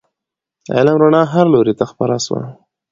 د علم رڼا هر لوري ته خپره سوه.